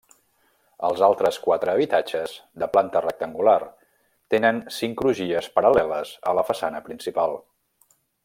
Els altres quatre habitatges, de planta rectangular, tenen cinc crugies paral·leles a la façana principal.